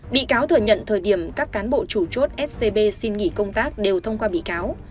bị cáo thừa nhận thời điểm các cán bộ chủ chốt scb xin nghỉ công tác đều thông qua bị cáo